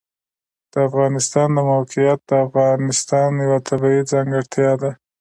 د افغانستان د موقعیت د افغانستان یوه طبیعي ځانګړتیا ده.